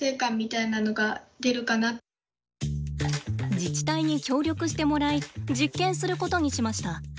自治体に協力してもらい実験することにしました。